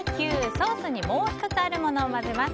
ソースにもう１つあるものを混ぜます。